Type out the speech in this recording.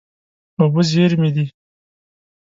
اوبه زېرمې دي.